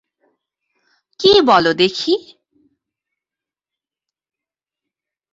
কী বলো দেখি?